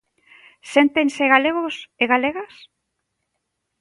Séntense galegos e galegas?